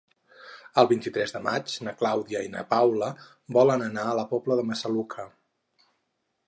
El vint-i-tres de maig na Clàudia i na Paula volen anar a la Pobla de Massaluca.